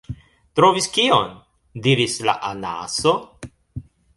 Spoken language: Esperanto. “Trovis kion?” diris la Anaso.